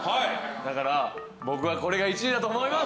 だから僕はこれが１位だと思います！